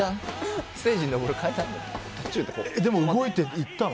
でも、動いて行ったの？